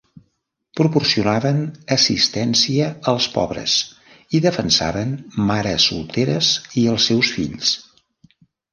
Proporcionaven assistència als pobres i defensaven mares solteres i els seus fills.